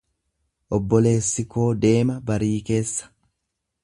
Obboleessi koo deema barii keessa.